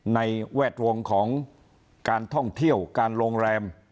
แวดวงของการท่องเที่ยวการโรงแรม